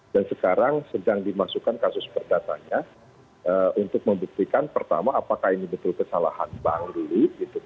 dan sekarang sedang dimasukkan kasus perdatanya untuk membuktikan pertama apakah ini betul kesalahan bank dulu